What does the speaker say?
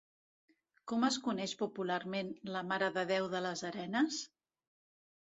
Com es coneix popularment la Mare de Déu de les Arenes?